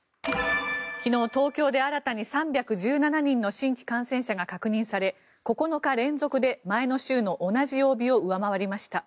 昨日、東京で新たに３１７人の新規感染者が確認され９日連続で前の週の同じ曜日を上回りました。